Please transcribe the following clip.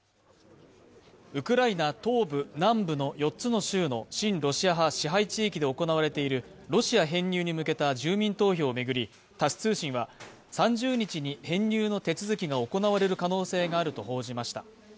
ウクライナ東部、南部の４つの州の親ロシア派支配地域で行われているロシア編入に向けた住民投票を巡り、タス通信は、３０日に編入の手続きが行われる可能性があると報じました。